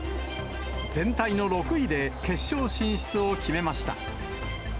全体の６位で決勝進出を決めました。